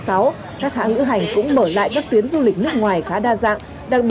các hãng lữ hành cũng mở lại các tuyến du lịch nước ngoài khá đa dạng